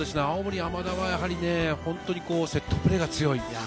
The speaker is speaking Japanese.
青森山田は本当にセットプレーが強い。